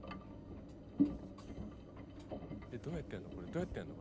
どうやってやんの？